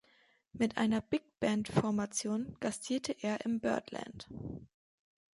Mit einer Bigband-Formation gastierte er im Birdland.